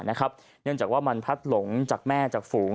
เนื่องจากว่ามันพัดหลงจากแม่จากฝูง